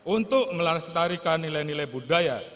untuk melestarikan nilai nilai budaya